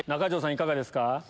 いかがですか？